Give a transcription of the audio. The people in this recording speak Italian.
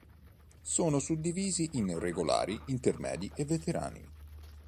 Sono suddivisi in regolari, intermedi e veterani.